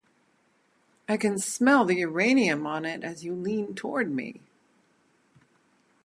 I can smell the uranium on it as you lean toward me!